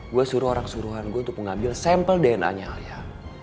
gue suruh orang suruhan gue untuk mengambil sampel dna nya alia